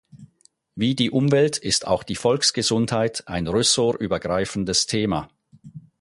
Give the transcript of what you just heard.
Wie die Umwelt ist auch die Volksgesundheit ein ressortübergreifendes Thema.